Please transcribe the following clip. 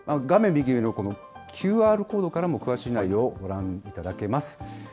画面右上の、このＱＲコードからも詳しい内容をご覧いただけます。